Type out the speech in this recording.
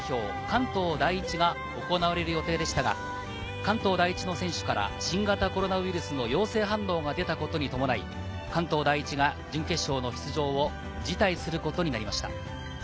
・関東第一が行われる予定でしたが、関東第一の選手から新型コロナウイルスの陽性反応が出たことに伴い、関東第一が準決勝の出場を辞退することになりました。